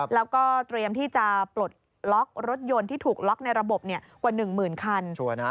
แล้วก็เตรียมที่จะปลดล็อกรถยนต์ที่ถูกล็อกในระบบกว่า๑หมื่นคัน